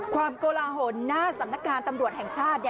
ความกระล่าห่นหน้าสำนักการณ์ตำรวจแห่งชาติ